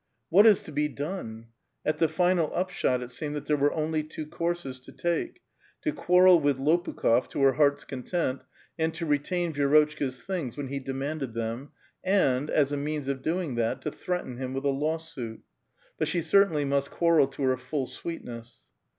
'*AVhat is to be dime [^tchto dy^ai]?" At the final up shot it seemed that there were only two courses to take : to quarrel with Lopukh6f to her heart's content, and to retain Vi^'rotchka's things wlien he deuKuided them, and. as a means of doing that, to threaten him with a lawsuit. But she cer tainly must quarrel to her full sweetness.